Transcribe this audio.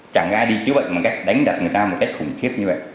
chẳng ai đi chứa bệnh mà đánh đặt người ta một cách khủng khiếp như vậy